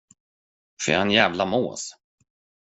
För jag är en jävla mås.